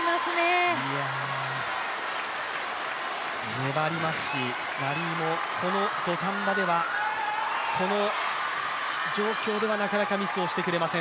粘りますし、ラリーもこの土壇場ではこの状況ではなかなかミスをしてくれません